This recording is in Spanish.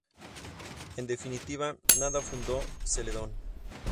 En definitiva, nada fundó Celedón.